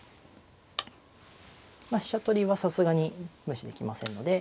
まあ飛車取りはさすがに無視できませんので。